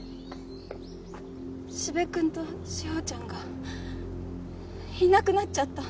四部くんと志法ちゃんがいなくなっちゃった！